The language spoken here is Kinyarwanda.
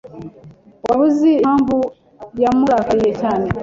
Waba uzi impamvu yamurakariye cyane?